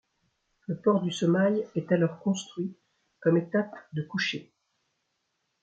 Le port du Somail est alors construit comme étape de couchée.